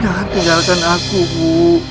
jangan tinggalkan aku ibu